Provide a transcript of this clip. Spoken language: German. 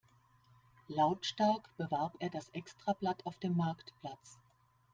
Lautstark bewarb er das Extrablatt auf dem Marktplatz.